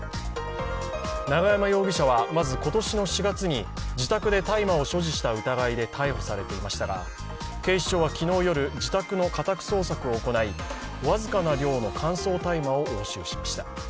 永山容疑者はまず、今年の４月に自宅で大麻を所持した疑いで逮捕されていましたが、警視庁は昨日夜、自宅の家宅捜索を行い、僅かな量の乾燥大麻を押収しました。